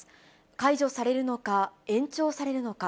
解除されるのか、延長されるのか。